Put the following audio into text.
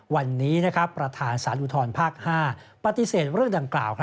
วันนี้ประธานสารอุทธรภาค๕ปฏิเสธเรื่องดังกล่าว